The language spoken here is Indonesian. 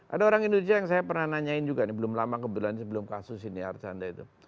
ada orang indonesia yang saya pernah nanyain juga nih belum lama kebetulan sebelum kasus ini arcanda itu